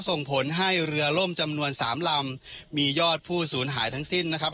ส่งผลให้เรือล่มจำนวนสามลำมียอดผู้สูญหายทั้งสิ้นนะครับ